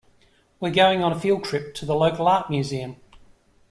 We're going on a field trip to the local art museum.